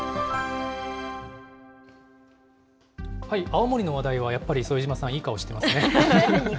青森の話題はやっぱり副島さん、いい顔してますね。